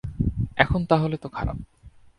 এখন, তাহলে তো খারাপ।